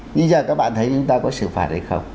như vậy các bạn thấy chúng ta có xử phạt hay không